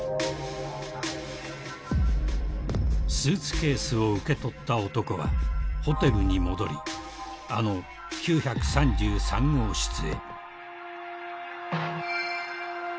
［スーツケースを受け取った男はホテルに戻りあの９３３号室へ］